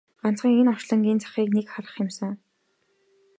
Ганцхан энэ орчлонгийн захыг нэг харах юмсан!